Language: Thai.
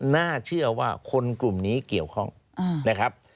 น่าเชื่อว่าคนกลุ่มนี้เกี่ยวข้องนะครับ